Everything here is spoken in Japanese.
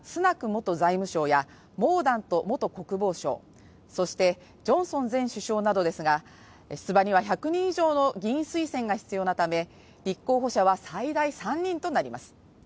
元財務相やモーダント元国防相そしてジョンソン前首相などですが出馬には１００人以上の議員推薦が必要なため立候補者は最大３人となります